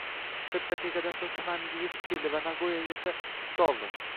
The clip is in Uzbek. Qirq daqiqadan so`ng Tanamiga etib keldi va Nagoyagacha chipta oldi